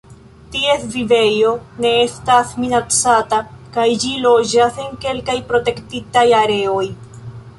Ties vivejo ne estas minacata kaj ĝi loĝas en kelkaj protektitaj areoj.